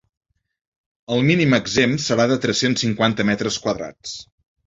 El mínim exempt serà de tres-cents cinquanta metres quadrats.